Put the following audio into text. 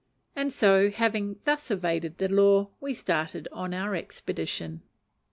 And so, having thus evaded the law, we started on our expedition.